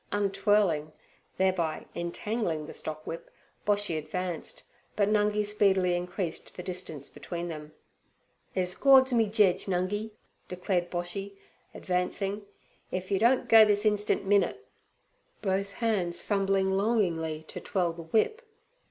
Untwirling, thereby entangling the stock whip, Boshy advanced; but Nungi speedily increased the distance between them. 'Es Gord 's me Jedge, Nungi,' declared Boshy, advancing, 'ef yer don' go this instant minit—' both hands fumbling longingly to twirl the whip.